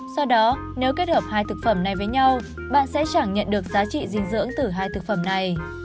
do đó nếu kết hợp hai thực phẩm này với nhau bạn sẽ chẳng nhận được giá trị dinh dưỡng từ hai thực phẩm này